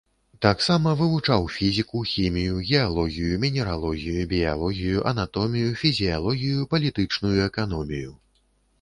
Таксама вывучаў фізіку, хімію, геалогію, мінералогію, біялогію, анатомію, фізіялогію, палітычную эканомію.